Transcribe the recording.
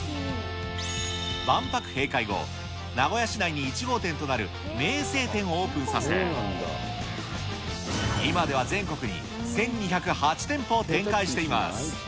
万博閉会後、名古屋市内に１号店となる名西店をオープンさせ、今では全国に１２０８店舗を展開しています。